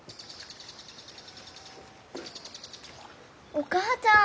お母ちゃん！